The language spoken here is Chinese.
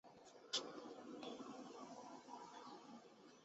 利尚叙纳。